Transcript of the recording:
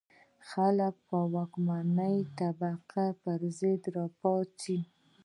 خلک به د واکمنې طبقې پر ضد را پاڅي.